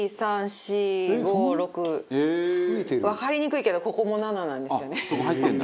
わかりにくいけどここも７なんですよね。